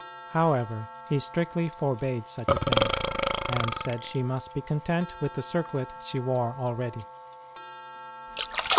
However, he strictly forbade such a thing, and said she must be content with the circlet she wore already.